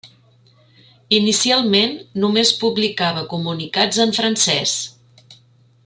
Inicialment només publicava comunicats en francès.